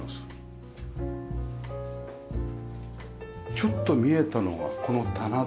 ちょっと見えたのがこの棚ですよ。